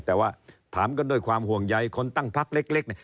แต่ว่าถามกันด้วยความห่วงใยคนตั้งพักเล็ก